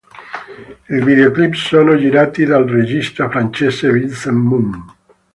I video-clip sono girati dal regista francese Vincent Moon.